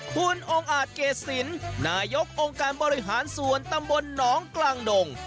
คุณองค์อาจเกษีลนายกองค์การบริหารส่วนตำบลหนองกลางดง